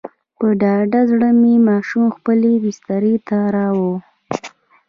په ډاډه زړه مې ماشوم خپلې بسترې ته راووړ.